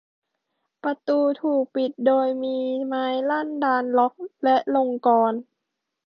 ประตูถูกปิดโดยมีทั้งไม้ลั่นดาล ล็อค และลงกลอน